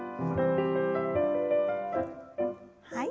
はい。